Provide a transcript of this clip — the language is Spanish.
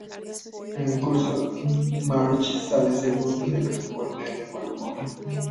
En el concurso, Marge sale segunda, lo que la pone de mal humor.